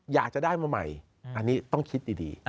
อยากจะได้มาใหม่อันนี้ต้องคิดดี